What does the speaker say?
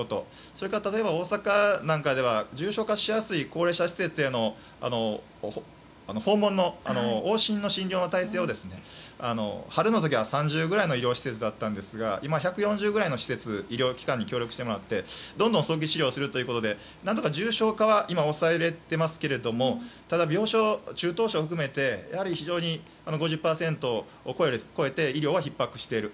それと大阪なんかでは重症化しやすい高齢者施設などで訪問の往診の診療の体制を春の時は３０ぐらいの医療施設だったのを今は１４０くらいの医療機関に協力してもらってどんどん早期治療をするということで何とか重症化は抑えられていますけどただ、重症、中等症を含めて非常に５０％を超えて医療はひっ迫している。